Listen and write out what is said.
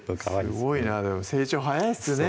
すごいなでも成長早いですね